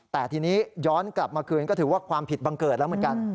แต่ทีนี้ย้อนกลับมาคืนก็ถือว่าความผิดบังเกิดแล้วเหมือนกัน